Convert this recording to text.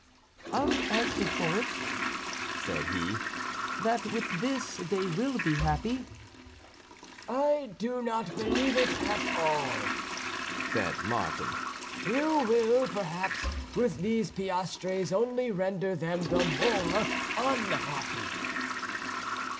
"I'll answer for it," said he, "that with this they will be happy." "I do not believe it at all," said Martin; "you will, perhaps, with these piastres only render them the more unhappy."